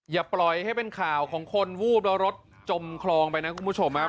อย่าปล่อยให้เป็นข่าวของคนวูบแล้วรถจมคลองไปนะคุณผู้ชมครับ